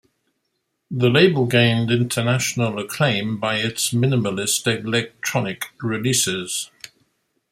The label gained international acclaim by its minimalist electronic releases.